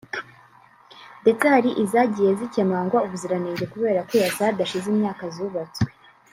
ndetse hari izagiye zikemangwa ubuziranenge kubera kwiyasa hadashize imyaka zubatswe